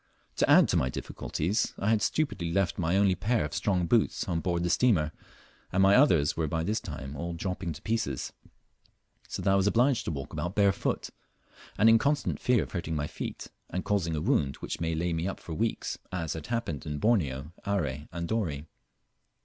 To add to my difficulties I had stupidly left my only pair of strong hoots on board the steamer, and my others were by this time all dropping to pieces, so that I was obliged to walk about barefooted, and in constant fear of hurting my feet, and causing a wound which might lay me up for weeks, as had happened in Borneo, Are, and Dorey.